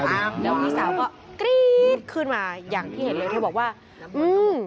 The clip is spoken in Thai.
อ้าวแล้วพี่สาวก็กรี๊ดขึ้นมาอย่างที่เห็นเลยเธอบอกว่าอืม